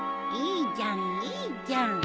いいじゃんいいじゃん。